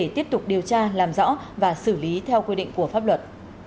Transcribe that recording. để tiếp tục điều tra làm rõ và xử lý theo quy định của pháp luật